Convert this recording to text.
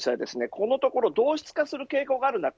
このところ同質化する傾向がある中